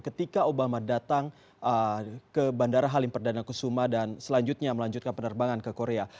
ketika obama datang ke bandara halim perdana kusuma dan selanjutnya melanjutkan penerbangan ke korea